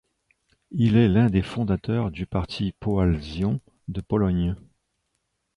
Il est l'un des fondateurs du parti Poale Zion de Pologne.